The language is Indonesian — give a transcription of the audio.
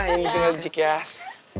ini tempat cikeas